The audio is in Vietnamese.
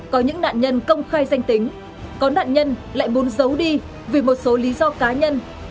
có những nạn nhân công khai danh tính có nạn nhân lại muốn giấu đi vì một số lý do cá nhân